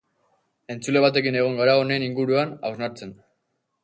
Entzule batekin egon gara honen inguruan hausnartzen.